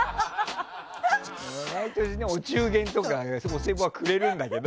毎年お中元とかお歳暮くれるんだけど。